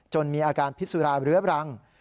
มีอาการพิสุราเรื้อบรัง